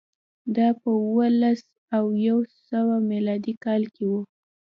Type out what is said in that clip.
دا په اووه لس او یو سوه میلادي کال کې و